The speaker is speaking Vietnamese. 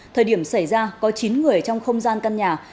thời điểm xảy ra có chín người trong không gian căn nhà